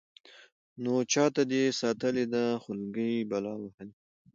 نو چاته دې ساتلې ده خولكۍ بلا وهلې.